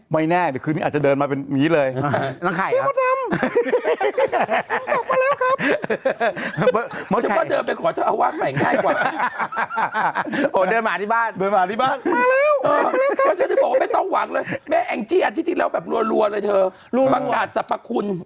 แม่แองจี้อาทิตย์ที่ที่แล้วแบบรวดรวดเลยเธอรูปังกาศสรรพคุณ